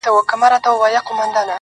o د مرگ څخه چاره نسته٫